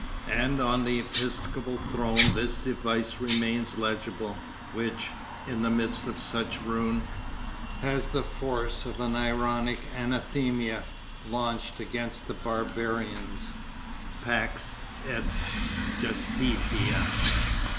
And on the episcopal throne this device remains legible, which, in the midst of such ruin, has the force of an ironic anathema launched against the barbarians, pax et justitia.